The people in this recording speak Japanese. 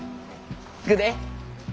行くで。